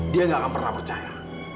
dia gak akan pernah percaya